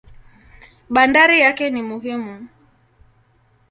Bandari yake ni muhimu.